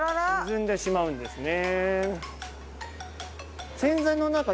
沈んでしまうんですね。